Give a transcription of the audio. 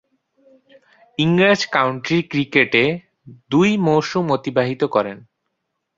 ইংরেজ কাউন্টি ক্রিকেটে দুই মৌসুম অতিবাহিত করেন।